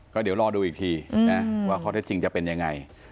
ก็เดี๋ยวรอดูอีกทีนะว่าข้อเท็จจริงจะเป็นยังไง